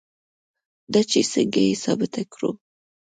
دا چې څنګه یې ثابته کړو.